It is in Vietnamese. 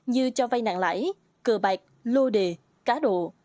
như cho vay nạn lãi cờ bạc lô đề cá đổ